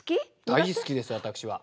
大好きです私は。